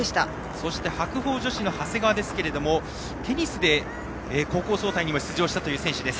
そして白鵬女子の長谷川はテニスで高校総体にも出場した選手です。